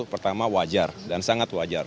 pertama wajar dan sangat wajar